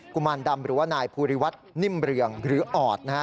ุมารดำหรือว่านายภูริวัฒนิ่มเรืองหรือออดนะฮะ